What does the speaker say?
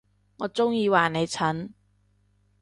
我中意話你蠢